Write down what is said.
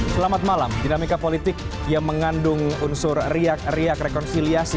selamat malam dinamika politik yang mengandung unsur riak riak rekonsiliasi